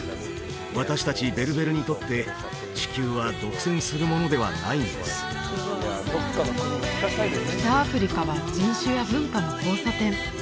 私達ベルベルにとって地球は独占するものではないんです北アフリカは人種や文化の交差点